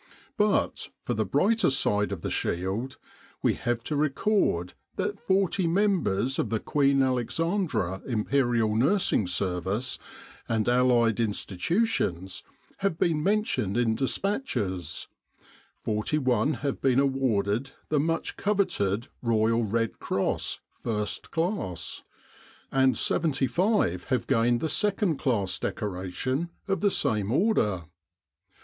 But, for the brighter side of the shield, we have to record that forty mem bers of the Queen Alexandra Imperial Nursing Ser vice and allied institutions have been mentioned in despatches; forty one have been awarded the much coveted Royal Red Cross, ist Class; and seventy five have gained the 2nd Class decoration of the same order.